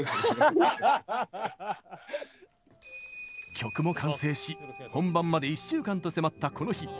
曲も完成し本番まで１週間と迫った、この日。